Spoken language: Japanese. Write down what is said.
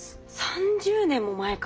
３０年も前から。